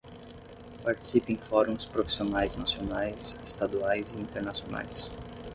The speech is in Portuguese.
Participe em fóruns profissionais nacionais, estaduais e internacionais.